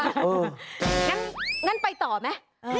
งั้นงั้นไปต่อไหมเออ